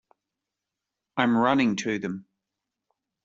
I'm running to them.